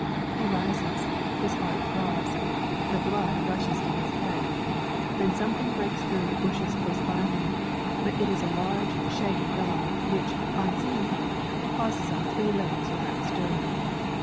He rises, his heart throbs, the blood rushes to his head; then something breaks through the brushes close by him; but it is a large, shaggy dog, which, on seeing him, pauses on three legs without stirring.